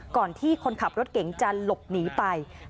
ก่อนที่คนขับรถเก่งจะหลบหนีไป